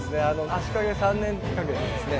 足掛け３年かけてですね